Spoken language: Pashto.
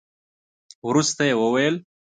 وروسته يې وويل.